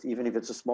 meskipun produk kecil